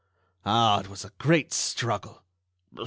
"Ah! it was a great struggle!"